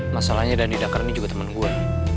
masalahnya dhani dhankar ini juga temen gue